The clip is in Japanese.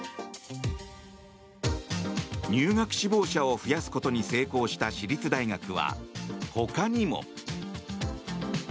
入学志望者を増やすことに成功した私立大学は、他にも。